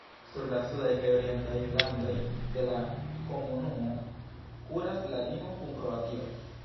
Sur la sudaj kaj orientaj randoj de la komunumo kuras la limo kun Kroatio.